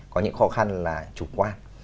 có những khó khăn là chủ quan